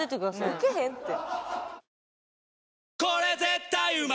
ウケへんって。